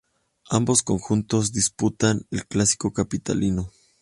Ambos conjuntos disputan el clásico capitalino.